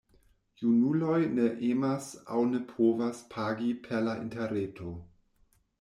Junuloj ne emas aŭ ne povas pagi per la interreto.